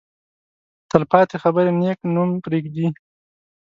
تل پاتې خبرې نېک نوم پرېږدي.